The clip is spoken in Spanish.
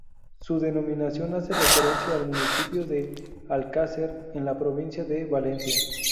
Su denominación hace referencia al municipio de Alcácer en la provincia de Valencia.